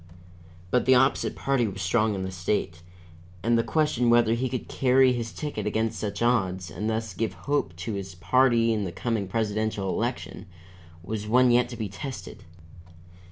But the opposite party was strong in the state, and the question whether he could carry his ticket against such odds, and thus give hope to his party in the coming presidential election, was one yet to be tested.